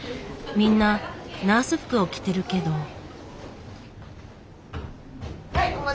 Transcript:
みんなナース服を着てるけど。